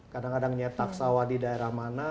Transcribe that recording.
kadang kadang nyetak sawah di daerah mana